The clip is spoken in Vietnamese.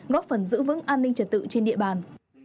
góp phần giữ vững an ninh trật tự trên địa bàn